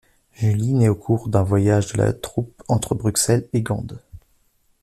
Julie naît au cours d'un voyage de la troupe entre Bruxelles et Gand.